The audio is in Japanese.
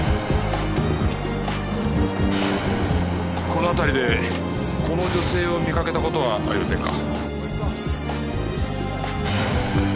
この辺りでこの女性を見かけた事はありませんか？